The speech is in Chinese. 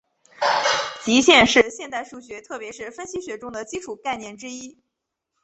极限是现代数学特别是分析学中的基础概念之一。